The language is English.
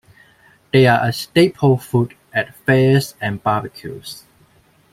They are a staple food at fairs and barbecues.